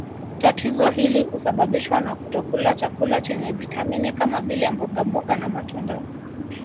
Tatizo hili husababishwa na kutokula chakula chenye vitamini kama vile mbogamboga na matunda